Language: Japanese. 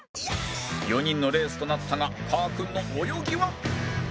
４人のレースとなったがかーくんの泳ぎは？